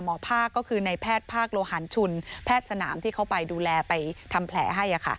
ภาคก็คือในแพทย์ภาคโลหารชุนแพทย์สนามที่เขาไปดูแลไปทำแผลให้